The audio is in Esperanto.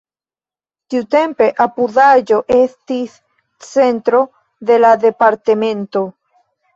Tiutempe la apudaĵo estis centro de la departemento.